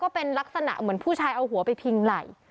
เป็นลักษณะเหมือนผู้ชายเอาหัวไปพิงไหล่